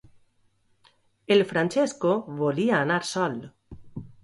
El Francesco volia anar sol.